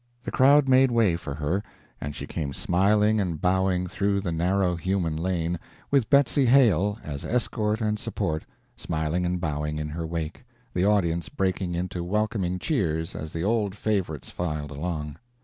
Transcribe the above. The crowd made way for her, and she came smiling and bowing through the narrow human lane, with Betsy Hale, as escort and support, smiling and bowing in her wake, the audience breaking into welcoming cheers as the old favorites filed along.